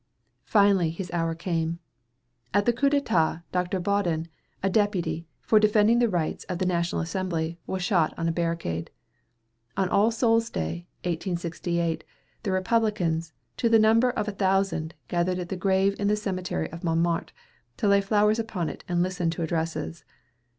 Finally his hour came. At the Coup d'état, Dr. Baudin, a deputy, for defending the rights of the National Assembly, was shot on a barricade. On All Soul's Day, 1868, the Republicans, to the number of a thousand, gathered at the grave in the cemetery of Montmartre, to lay flowers upon it and listen to addresses.